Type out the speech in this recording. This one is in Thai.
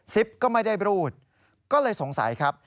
ปก็ไม่ได้รูดก็เลยสงสัยครับ